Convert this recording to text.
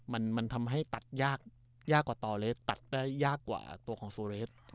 มันทำให้ตัดยากยากกว่าตอเลสตัดได้ยากกว่าตัวของโซเรส